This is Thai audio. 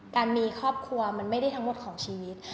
การมีครอบครัวมันไม่ได้ทั้งหมดของชีวิต